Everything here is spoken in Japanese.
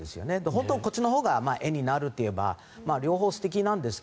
本当はこっちのほうが絵になると言えば両方素敵なんですが。